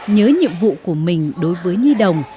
nhớ nhiệm vụ của mình đối với nhi đồng